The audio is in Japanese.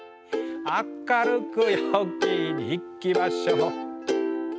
「明るく陽気にいきましょう」